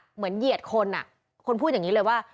เหมือนเหยียดคนอ่ะคนพูดอย่างนี้เลยว่า